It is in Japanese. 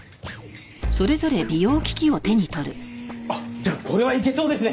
じゃあこれはいけそうですね。